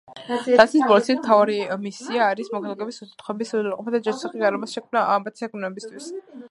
დაცვის პოლიციის მთავარი მისია არის მოქალაქეების უსაფრთხოების უზრუნველყოფა და ჯანსაღი გარემოს შექმნა მათი საქმიანობისათვის.